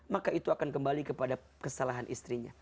maka itu akan kembali kepada kesalahan istrinya